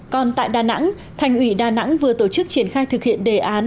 còn tại đà nẵng thành ủy đà nẵng vừa tổ chức triển khai thực hiện đề án